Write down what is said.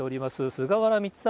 菅原道真